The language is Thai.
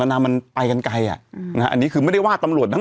นานามันไปกันไกลอ่ะอืมนะฮะอันนี้คือไม่ได้ว่าตำรวจนะ